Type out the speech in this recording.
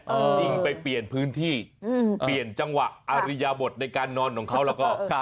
ยิ่งไปเปลี่ยนพื้นที่เปลี่ยนจังหวะอริยบทในการนอนของเขาแล้วก็